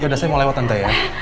yaudah saya mau lewat lantai ya